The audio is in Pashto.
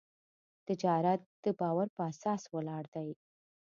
تجارت د باور په اساس ولاړ دی.